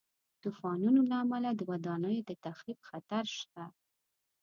د طوفانونو له امله د ودانیو د تخریب خطر شته.